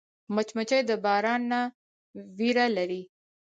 مچمچۍ د باران نه ویره لري